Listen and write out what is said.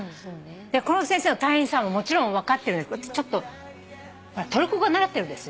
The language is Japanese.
でこの先生の大変さももちろん分かってるんですけど私ちょっとトルコ語習ってるんですよ。